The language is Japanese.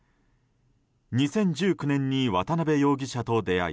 ２０１９年に渡邉容疑者と出会い